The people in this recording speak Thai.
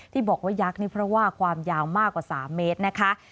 ที่บอกว่ายักษ์นี่เพราะว่าความยาวมากกว่า๓เมตรนะคะ